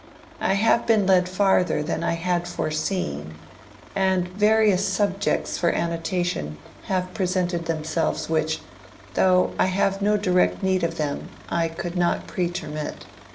"I have been led farther than I had foreseen, and various subjects for annotation have presented themselves which, though I have no direct need of them, I could not pretermit.